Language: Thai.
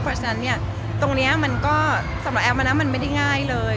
เพราะฉะนั้นตรงนี้สำหรับแอฟมันไม่ได้ง่ายเลย